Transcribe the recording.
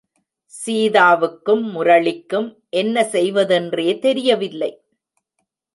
சீதாவுக்கும் முரளிக்கும் என்ன செய்வதென்றே தெரியவில்லை.